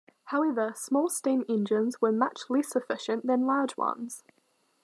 However, small steam engines were much less efficient than large ones.